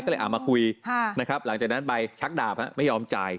ก็เลยเอามาคุยนะครับหลังจากนั้นไปชักดาบไม่ยอมจ่าย